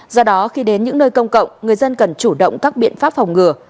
do đó khi đến những nơi công cộng người dân cần chủ động các biện pháp phòng ngừa